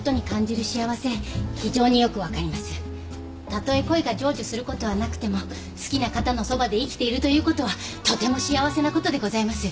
たとえ恋が成就することはなくても好きな方のそばで生きているということはとても幸せなことでございます。